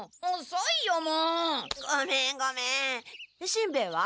しんべヱは？